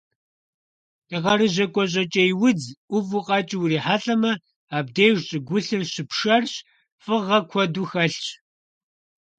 Дыгъэрыжьэ гуащӀэкӀей удз Ӏуву къэкӀыу урихьэлӀэмэ, абдеж щӀыгулъыр щыпшэрщ, фыгъэ куэду хэлъщ.